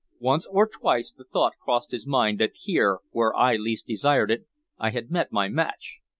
Once or twice the thought crossed my mind that here, where I least desired it, I had met my match.